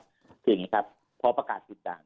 คืออย่างนี้ครับเพราะประกาศปิดด่าน